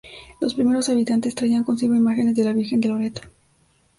Los primeros habitantes traían consigo imágenes de la Virgen de Loreto.